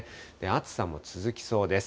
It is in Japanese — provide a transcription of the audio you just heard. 暑さも続きそうです。